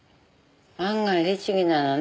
案外律儀なのね。